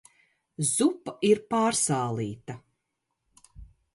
Zupa ir p?rs?l?ta.